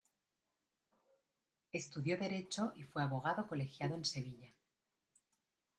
Estudió Derecho y fue abogado colegiado en Sevilla.